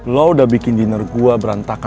lo udah bikin dinner gue berantakan